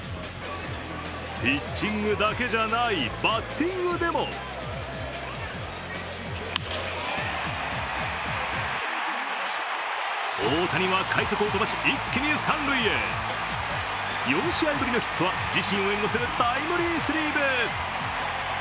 ピッチングだけじゃない、バッティングでも大谷は快足を飛ばし、一気に三塁へ４試合ぶりのヒットは、自身を援護するタイムリースリーベース。